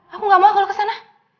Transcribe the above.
aku nggak mau kalau ke sana